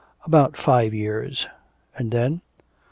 'About five years.' 'And then?'